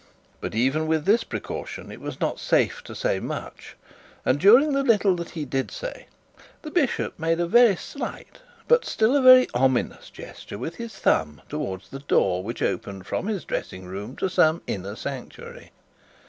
But even with this precaution it was not safe to say much, and during the little that he did say, the bishop made a very slight, but still a very ominous gesture with his thumb towards the door which opened from his dressing room to some inner sanctuary.